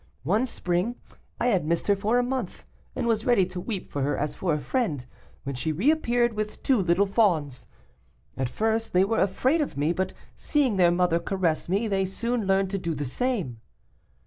"One spring I had missed her for a month, and was ready to weep for her as for a friend, when she reappeared with two little fawns. At first they were afraid of me, but seeing their mother caress me, they soon learned to do the same.